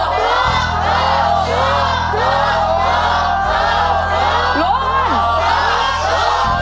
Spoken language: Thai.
เลือกเลือกเลือก